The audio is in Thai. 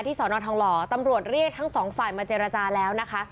สอนอทองหล่อตำรวจเรียกทั้งสองฝ่ายมาเจรจาแล้วนะคะ